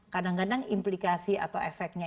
kadang kadang implikasi atau efeknya